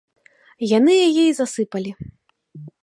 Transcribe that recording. Яны яе і засыпалі.